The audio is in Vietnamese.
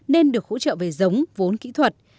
nên được hỗ trợ về giống vốn kỹ thuật